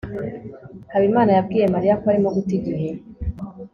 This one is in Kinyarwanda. habimana yabwiye mariya ko arimo guta igihe